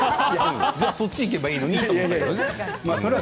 じゃあ、そっちにいけばいいのにって。